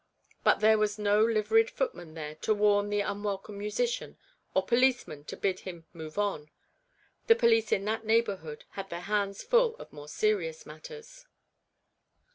But there w r as no liveried footman there to warn the unwelcome musician, or policeman to bid him " move on " the police in that neighbour hood had their hands full of more serious matters.